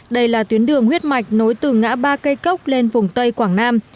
đây là tuyến đường huyết mạch nối từ ngã ba cây cốc lên vùng tây quảng nam